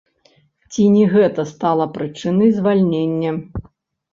Ці не гэта стала прычынай звальнення?